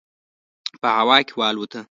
په هوا کې والوته.